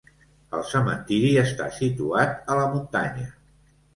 El cementiri està situat a la muntanya.